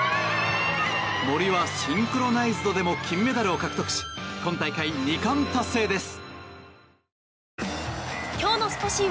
森はシンクロナイズドでも金メダルを獲得し今大会２冠達成です。